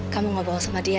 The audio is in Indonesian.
kamu ngobrol sama dia